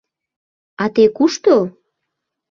— А те кушто?